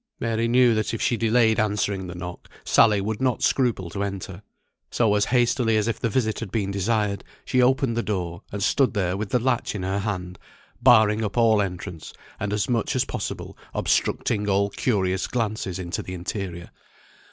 Mary knew that if she delayed answering the knock, Sally would not scruple to enter; so as hastily as if the visit had been desired, she opened the door, and stood there with the latch in her hand, barring up all entrance, and as much as possible obstructing all curious glances into the interior.